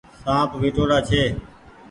سآنپ وٺو ڙآ ڇي۔